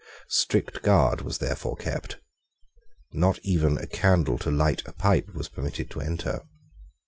Strict guard was therefore kept. Not even a candle to light a pipe was permitted to enter.